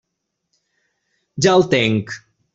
Ja el tinc.